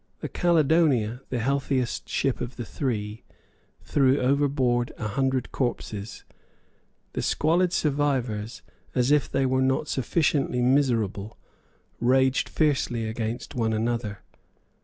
The Caledonia, the healthiest ship of the three, threw overboard a hundred corpses. The squalid survivors, as if they were not sufficiently miserable, raged fiercely against one another.